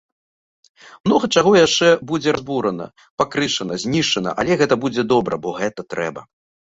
Многа чаго яшчэ будзе разбурана, пакрышана, знішчана, але гэта будзе добра, бо гэта трэба.